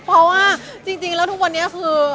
เพราะว่าจริงแล้วทุกวันนี้คือ